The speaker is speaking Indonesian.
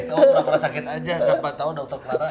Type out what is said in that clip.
kalo sakit aja siapa tau dokter clara